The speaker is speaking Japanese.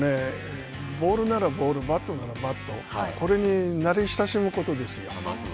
ボールならボール、バットならバット、これになれ親しむことですよ。